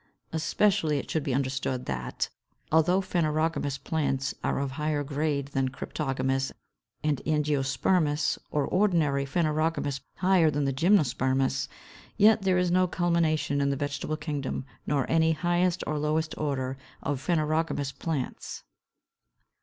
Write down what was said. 553. Especially it should be understood that, although phanerogamous plants are of higher grade than cryptogamous, and angiospermous or ordinary phanerogamous higher than the gymnospermous, yet there is no culmination in the vegetable kingdom, nor any highest or lowest order of phanerogamous plants.